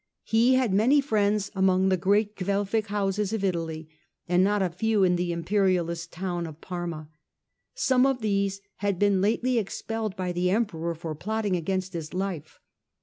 He had many friends among the great Guelfic houses of Italy and not a few in the Imperialist town of Parma. Some of these had been lately expelled by the Emperor for plotting against his life.